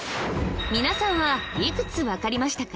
皆さんはいくつわかりましたか？